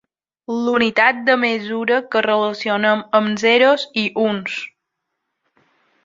L'unitat de mesura que relacionem amb zeros i uns.